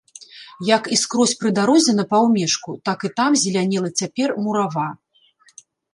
Як і скрозь пры дарозе на паўмежку, так і там зелянела цяпер мурава.